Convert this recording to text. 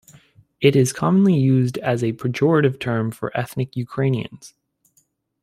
It is commonly used as a pejorative term for ethnic Ukrainians.